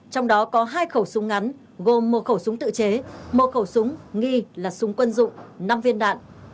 trong đó có hai khẩu súng ngắn gồm một khẩu súng tự chế một khẩu súng nghi là súng quân dụng năm viên đạn